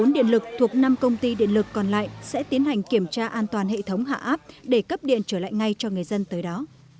một mươi điện lực thuộc năm công ty điện lực còn lại sẽ tiến hành kiểm tra an toàn hệ thống hạ áp để cấp điện trở lại ngay cho người dân tới đó